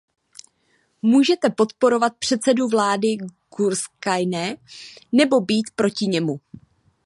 Můžete podporovat předsedu vlády Gyurcsánye, nebo být proti němu.